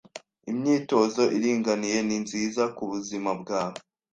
Imyitozo iringaniye ni nziza kubuzima bwawe.